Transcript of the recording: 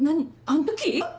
あの時？